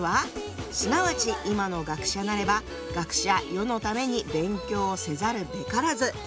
「すなわち今の学者なれば学者世のために勉強をせざるべからず」。